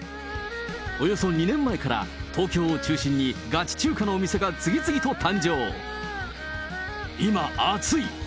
およそ２年前から東京を中心にガチ中華のお店が次々と誕生。